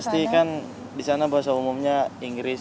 pasti kan di sana bahasa umumnya inggris